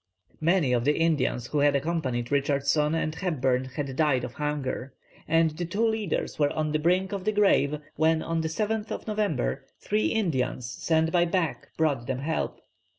'" Many of the Indians who had accompanied Richardson and Hepburn had died of hunger, and the two leaders were on the brink of the grave when, on the 7th November, three Indians, sent by Back, brought them help.